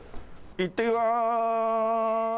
行ってきまーす！